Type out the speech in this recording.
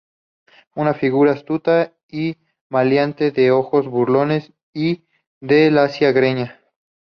una figura astuta y maleante, de ojos burlones y de lacia greña